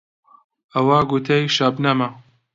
ئەوە گوتەی شەبنەمە